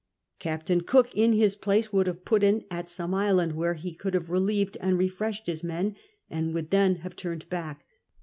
Captain Cook, in his place, would have put in at some island Avhere he could iiave relieved and refreshed his men, and would then have turned back.